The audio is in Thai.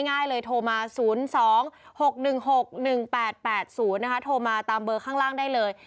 ง่ายเลยโทรมา๐๒๖๑๖๑๘๘๐นะคะโทรมาตามเบอร์ข้างล่างได้เลย